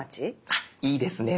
あいいですね。